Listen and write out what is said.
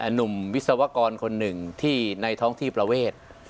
หนุ่มวิศวกรคนหนึ่งที่ในท้องที่ประเวท